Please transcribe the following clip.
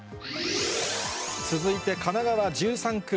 続いて神奈川１３区。